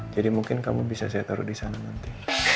jadi mungkin kamu bisa saya taruh di sana nanti